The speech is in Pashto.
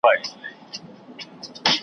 غاړه بنده وزرونه زولانه سوه .